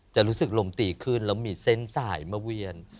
จะรู้สึกลมตีขึ้นแล้วมีเส้นสายมาเวียน